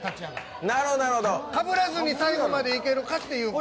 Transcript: かぶらずに最後までいけるかという。